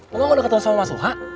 kamu gak udah ketemu sama suha